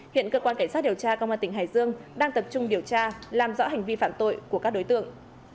hiện cơ quan cảnh sát điều tra công an tỉnh hải dương đang tập trung điều tra làm rõ hành vi phạm tội của các đối tượng